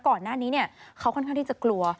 ก่อนหน้านี้เขาค่อนข้างที่จะกลัว